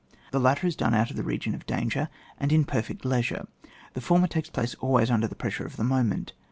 The latter is done out of ihe region of danger, and in perfect leisure; the former takes place always under the pressure of the moment.